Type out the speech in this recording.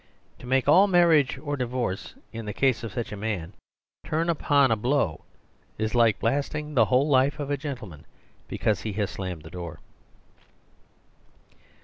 To make all marriage or divorce, in the case of such a man, turn upon a blow is like blasting the whole life of a gentleman because he has slammed the door.